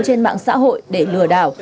trên mạng xã hội để lừa đảo